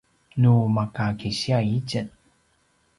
nu maka kisiya itjen